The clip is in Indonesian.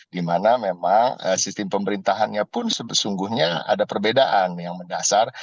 dimana memang sistem pemerintahannya pun sesungguhnya ada perbedaan yang mendasar